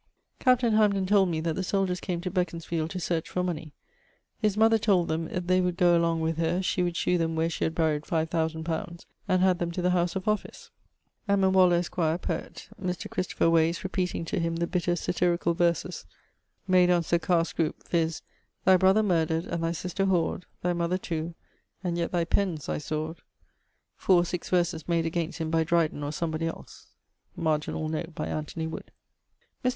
Captain Hamden told me that the soldiers came to Beconsfield to search for money; his mother told them if they would goe along with her, she would shew them where she had buried five thousands pounds, and had them to the house of office. Edmund Waller, esq., poet: Mr. Christopher Wase repeating to him the bitter satyricall verses[XCIII.] made on Sir Carre Scroop, viz. Thy brother murdred, and thy sister whor'd, Thy mother too and yet thy penne's thy sword; [XCIII.] 4 or 6 verses made against him by Driden or somebody else. Mr.